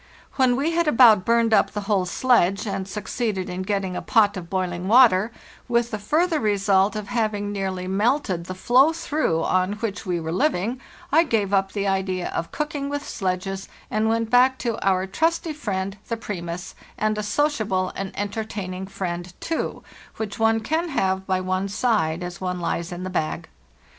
When we had about burned up the whole sledge and succeeded in getting a pot of boiling water, with the further result of having nearly melted the floe through on which we were living, I gave up the idea of cooking with sledges and went back to our trusty friend, the ' Primus '—and a sociable and entertaining friend, too, which one can have by one's side as one lies in the bag.